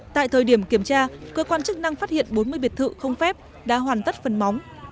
tại thời điểm kiểm tra cơ quan chức năng phát hiện bốn mươi biệt thự không phép đã hoàn tất phần móng